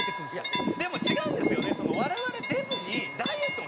でも違うんですよね。